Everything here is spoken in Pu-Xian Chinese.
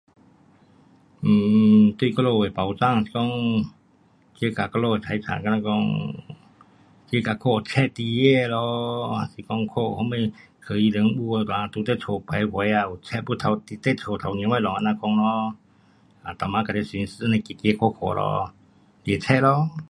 呃，对我们的保障是讲，这呀我们的财产，好像讲那角看贼在哪咯，是讲看有什么可疑人物啦，啦在那家徘徊啊，遇到有贼要偷，那偷提东西，这样讲咯。啊，每晚上去巡视走走看看咯。抓贼咯。